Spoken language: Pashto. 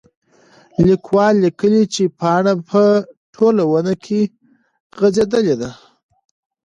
لیکوال لیکلي چې پاڼه په ټوله ونه کې غځېدلې ده.